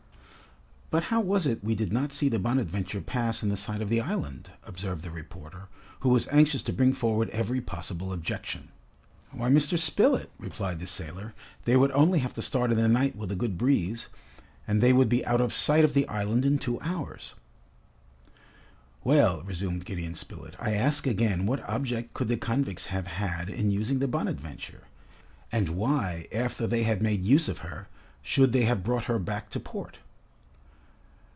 "But how was it we did not see the 'Bonadventure' pass in the sight of the island?" observed the reporter, who was anxious to bring forward every possible objection. "Why, Mr. Spilett," replied the sailor, "they would only have to start in the night with a good breeze, and they would be out of sight of the island in two hours." "Well," resumed Gideon Spilett, "I ask again, what object could the convicts have had in using the 'Bonadventure,' and why, after they had made use of her, should they have brought her back to port?"